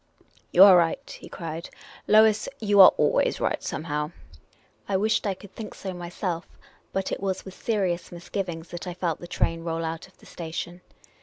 " You are right," he cried ;" Lois, you are always right, somehow. '' I wished I could think .so myself; but 't was with serious misgivings that I felt the train roll out of the station.